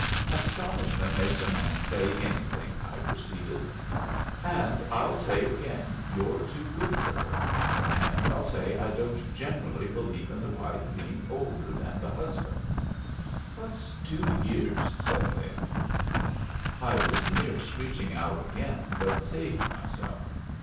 "Astonishment makes a man say anything," I proceeded. "And I'll say again you're too good for her and I'll say I don't generally believe in the wife being older than the husband." "What's two years?" said Lin. I was near screeching out again, but saved myself.